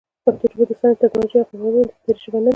پښتو ژبه د ساینس، ټکنالوژۍ، او هنرونو د تدریس ژبه نه ده.